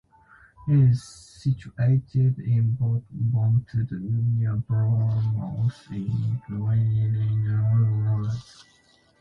It is situated in Bontddu, near Barmouth in Gwynedd in north-west Wales.